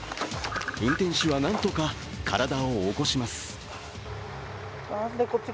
運転手は何とか体を起こします。